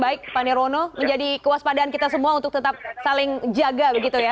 baik pak nerwono menjadi kewaspadaan kita semua untuk tetap saling jaga